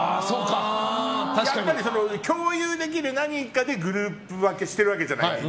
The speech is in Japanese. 共有できる何かでグループ分けしてるわけじゃない。